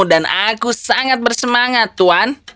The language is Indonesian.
dan aku sangat bersemangat tuan